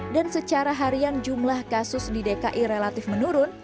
dan secara harian jumlah kasus di dki relatif menurun